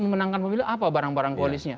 memenangkan pemilu apa barang barang koalisnya